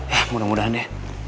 ya mudah mudahan ya